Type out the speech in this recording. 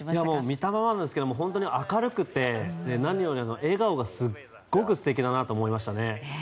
見たままですけど本当に明るくて何より笑顔がすごく素敵だなと思いましたね。